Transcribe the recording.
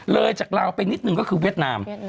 เลยจากลาวไปนิดหนึ่งก็คือเวียดนาม